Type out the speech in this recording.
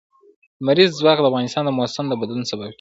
لمریز ځواک د افغانستان د موسم د بدلون سبب کېږي.